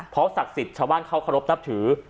เพราะศักดิ์สิทธิ์ชาวบ้านเขาเคารพนับถือ